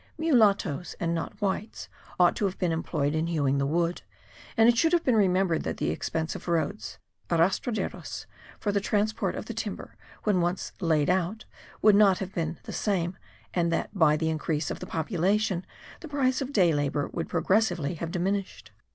Mulattos, and not whites, ought to have been employed in hewing the wood, and it should have been remembered that the expense of the roads (arastraderos) for the transport of the timber, when once laid out, would not have been the same, and that, by the increase of the population, the price of day labour would progressively have diminished.